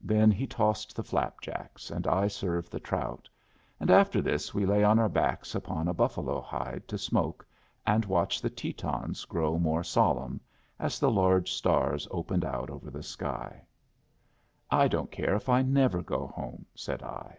Then he tossed the flap jacks, and I served the trout, and after this we lay on our backs upon a buffalo hide to smoke and watch the Tetons grow more solemn, as the large stars opened out over the sky. "I don't care if I never go home," said I.